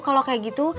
kalau kayak gitu